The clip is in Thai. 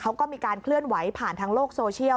เขาก็มีการเคลื่อนไหวผ่านทางโลกโซเชียล